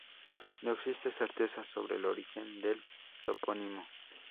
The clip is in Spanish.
No existe certeza sobre el origen del topónimo.